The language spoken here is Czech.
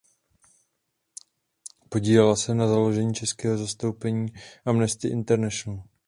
Podílela se na založení českého zastoupení Amnesty International.